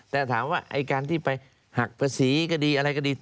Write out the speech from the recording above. แต่ถามว่าไอ้การที่ไปหักภาษีก็ดีอะไรก็ดี